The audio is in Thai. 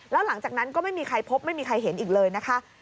แล้วหลังจากนั้นก็ไม่มีใครพบไม่มีใครเห็นอีกเลยนะคะ